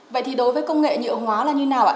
vậy thì đối với công nghệ nhựa hóa là như nào ạ